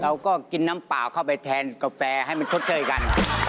เราก็กินน้ำเปล่าเข้าไปแทนกาแฟให้มันชดเชยกัน